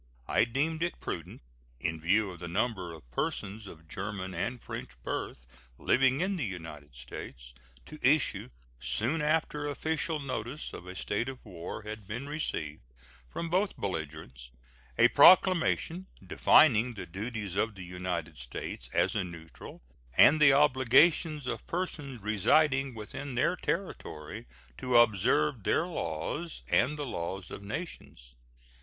I deemed it prudent, in view of the number of persons of German and French birth living in the United States, to issue, soon after official notice of a state of war had been received from both belligerents, a proclamation defining the duties of the United States as a neutral and the obligations of persons residing within their territory to observe their laws and the laws of nations.